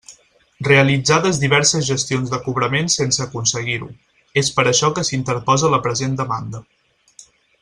Realitzades diverses gestions de cobrament sense aconseguir-ho, és per això que s'interposa la present demanda.